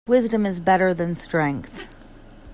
Wisdom is better than strength.